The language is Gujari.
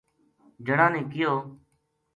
جنا نے کہیو